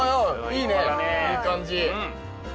いい感じ。